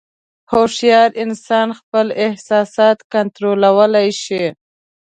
هوښیار انسان خپل احساسات کنټرولولی شي.